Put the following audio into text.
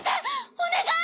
お願い！